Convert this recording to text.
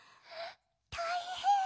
たいへん！